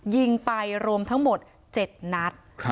ยิงไปรวมทั้งหมด๗นัด